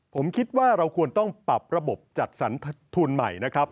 ผมคิดว่าเราควรต้องปรับระบบจัดสรรทุนใหม่นะครับ